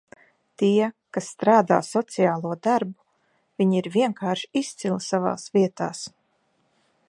Tie, kas strādā sociālo darbu, viņi ir vienkārši izcili savās vietās!